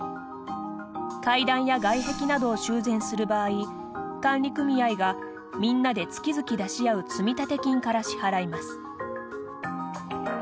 階段や外壁などを修繕する場合管理組合がみんなで月々出し合う積立金から支払います。